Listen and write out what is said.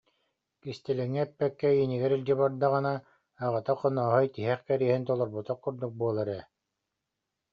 Кистэлэҥи эппэккэ иинигэр илдьэ бардаҕына аҕата Хонооһой тиһэх кэриэһин толорботох курдук буолар ээ